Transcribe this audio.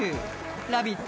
「ラヴィット！」